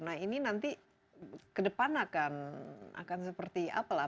nah ini nanti ke depan akan seperti apalah